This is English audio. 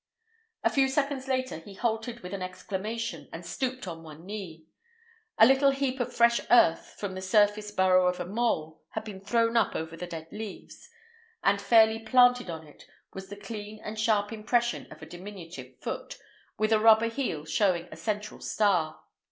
A few seconds later he halted with an exclamation, and stooped on one knee. A little heap of fresh earth from the surface burrow of a mole had been thrown up over the dead leaves; and fairly planted on it was the clean and sharp impression of a diminutive foot, with a rubber heel showing a central star.